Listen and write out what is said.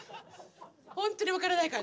本当に分からないから。